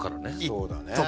そうだね。